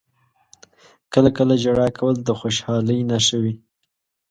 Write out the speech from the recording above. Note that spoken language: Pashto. • کله کله ژړا کول د خوشحالۍ نښه وي.